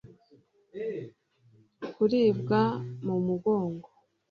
kuribwa mu mugongo